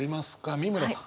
美村さん。